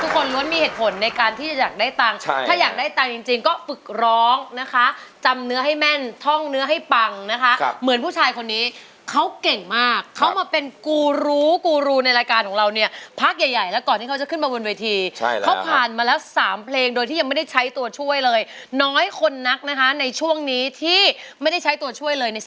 คนล้วนมีเหตุผลในการที่จะอยากได้ตังค์ใช่ถ้าอยากได้ตังค์จริงจริงก็ฝึกร้องนะคะจำเนื้อให้แม่นท่องเนื้อให้ปังนะคะเหมือนผู้ชายคนนี้เขาเก่งมากเขามาเป็นกูรู้กูรูในรายการของเราเนี่ยพักใหญ่ใหญ่แล้วก่อนที่เขาจะขึ้นมาบนเวทีใช่ครับเขาผ่านมาแล้วสามเพลงโดยที่ยังไม่ได้ใช้ตัวช่วยเลยน้อยคนนักนะคะในช่วงนี้ที่ไม่ได้ใช้ตัวช่วยเลยใน